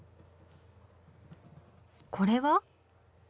これは？